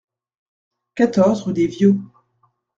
quatorze rue des Vios